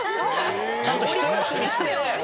ちゃんとひと休みしてね。